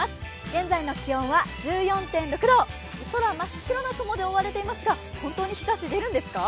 現在の気温は１４．６度空、真っ白な雲で覆われていますが本当に日ざし出るんですか？